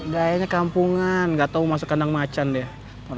gayanya kampungan gak tau masuk kandang macan dia